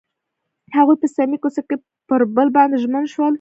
هغوی په صمیمي کوڅه کې پر بل باندې ژمن شول.